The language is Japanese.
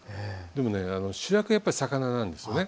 でもね主役はやっぱり魚なんですね。